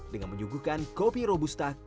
dengan menyuguhkan kopi robusta